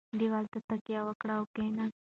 دېوال ته تکیه وکړه او کښېنه.